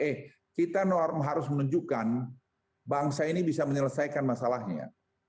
eh kita harus menunjukkan bangsa ini bisa menyelesaikan masalahnya